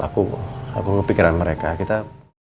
aku kepikiran mereka kita